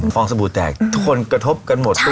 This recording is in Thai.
องสบู่แตกทุกคนกระทบกันหมด